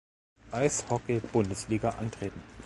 Eishockey-Bundesliga antreten.